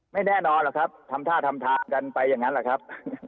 ไม่แน่นอนหรอกครับทำท่าทำทางกันไปอย่างนั้นแหละครับ